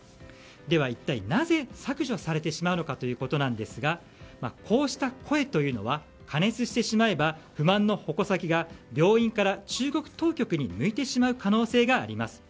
一体なぜ削除されてしまうのかということですがこうした声というのは過熱してしまえば不満の矛先が病院から中国当局に向いてしまう可能性があります。